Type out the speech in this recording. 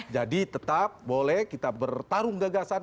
jadi tetap boleh kita bertarung gagasan